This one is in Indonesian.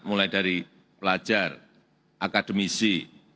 mulai dari pelajar akademisi